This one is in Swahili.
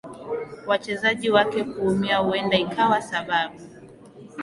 wachezaji wake kuumia huenda ikawa sababu